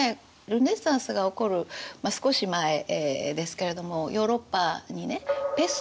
ルネサンスが起こる少し前ですけれどもヨーロッパにねペスト